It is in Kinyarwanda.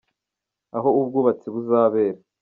aho ubwubatsi buzabera.